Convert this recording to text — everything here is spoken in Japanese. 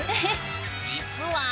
実は。